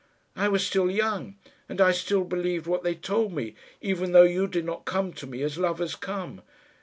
I was still young, and I still believed what they told me, even though you did not come to me as lovers come.